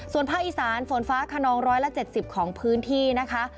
ส่วนภาคอีสานฝนฟ้าขนอง๑๗๐ของพื้นที่นะคะ